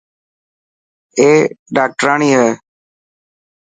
اي ڊاڪٽرياڻي هي.